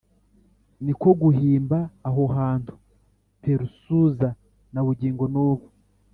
Ni ko guhimba aho hantu Peresuza na bugingo n’ubu.